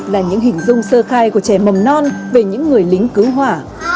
là những hình dung sơ khai của trẻ mầm non về những người lính cứu hỏa